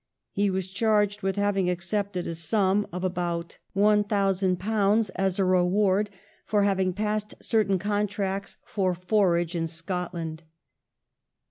He was charged with having accepted a sum of about one 1711 CHARGE AGAINST WALPOLE. 227 thousand pounds as a reward for having passed certain contracts for forage in Scotland.